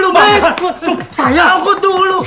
jup saya dulu